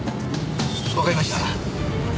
わかりました。